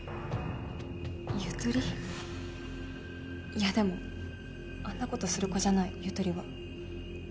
いやでもあんな事する子じゃないゆとりは。